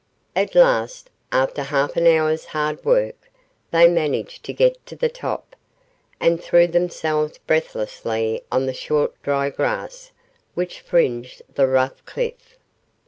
At last, after half an hour's hard work, they managed to get to the top, and threw themselves breathlessly on the short dry grass which fringed the rough cliff.